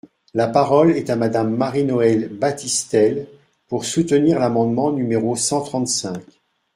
La parole est à Madame Marie-Noëlle Battistel, pour soutenir l’amendement numéro cent trente-cinq.